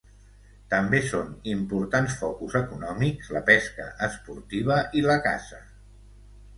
També són importants focus econòmics la pesca esportiva i la caça.